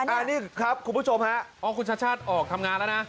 อันนี้ครับคุณผู้ชมฮะอ๋อคุณชาติชาติออกทำงานแล้วนะ